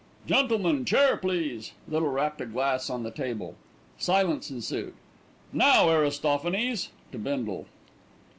"Gentlemen, chair, please." Little rapped a glass on the table. Silence ensued. "Now, Aristophanes," to Bindle.